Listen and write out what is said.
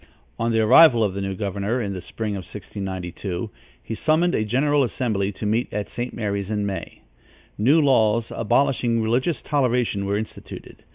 On the arrival of the new governor, in the spring of 1692, he summoned a general assembly, to meet at St. Mary's in May. New laws abolishing religious toleration were instituted.